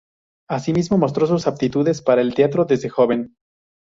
Asimismo, mostró sus aptitudes para el teatro desde joven.